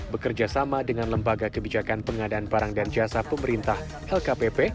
bekerja sama dengan lembaga kebijakan pengadaan barang dan jasa pemerintah lkpp